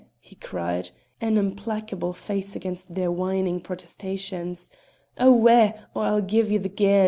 he cried, an implacable face against their whining protestations "Awa', or I'll gie ye the gairde!